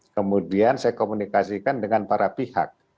kemudian saya komunikasikan dengan para pihak